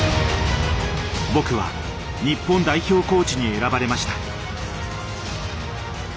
僕は日本代表コーチに選ばれました。